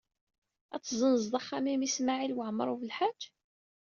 Ad tezzenzeḍ axxam-im i Smawil Waɛmaṛ U Belḥaǧ?